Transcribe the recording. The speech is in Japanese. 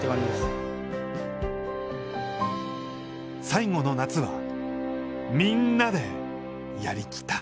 最後の夏は、みんなでやりきった。